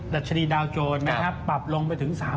ดัชนีดาวโจรปรับลงไปถึง